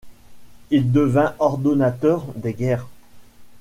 Il devint ordonnateur des guerres.